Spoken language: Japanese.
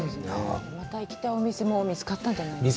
また行きたいお店も見つかったんじゃないですか。